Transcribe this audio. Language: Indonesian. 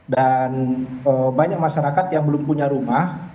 dan banyak masyarakat yang belum punya rumah